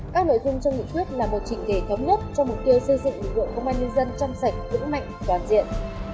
các nội dung trong nghị quyết là một trình thể thống nhất cho mục tiêu xây dựng lực lượng công an nhân dân trong sạch vững mạnh toàn diện